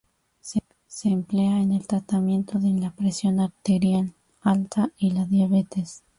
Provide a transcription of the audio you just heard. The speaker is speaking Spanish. Se emplea en el tratamiento de la presión arterial alta y la diabetes.